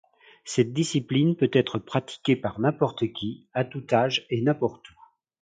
Cette discipline peut être pratiquée par n'importe qui, à tout âge et n'importe où.